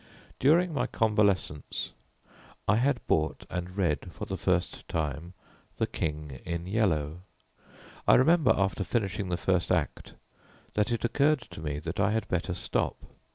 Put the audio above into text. During my convalescence I had bought and read for the first time, The King in Yellow. I remember after finishing the first act that it occurred to me that I had better stop.